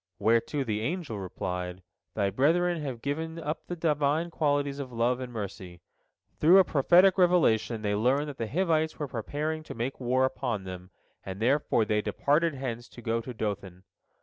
Whereto the angel replied, "Thy brethren have given up the Divine qualities of love and mercy. Through a prophetic revelation they learned that the Hivites were preparing to make war upon them, and therefore they departed hence to go to Dothan.